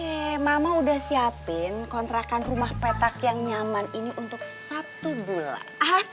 eh mama udah siapin kontrakan rumah petak yang nyaman ini untuk satu bulan